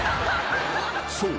［そう。